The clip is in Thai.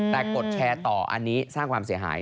แต่กดแชร์ต่ออันนี้สร้างความเสียหาย